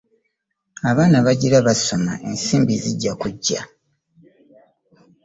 Abaana bagira basoma ensimbi zijja kujja.